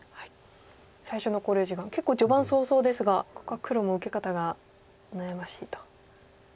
最初の考慮時間結構序盤早々ですがここは黒も受け方が悩ましいと。